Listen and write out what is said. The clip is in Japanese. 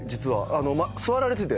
あの座られてて。